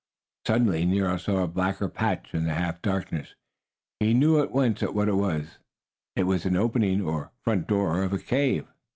Suddenly Nero saw a blacker patch in the half darkness. He knew at once what it was. It was the opening, or front door, of a cave.